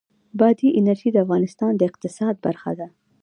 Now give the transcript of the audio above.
بادي انرژي د افغانستان د اقتصاد برخه ده.